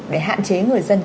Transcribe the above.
để hạn chế người dân